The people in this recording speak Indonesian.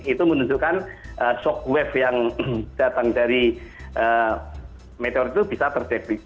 itu menunjukkan shockwave yang datang dari meteor itu bisa terdeplik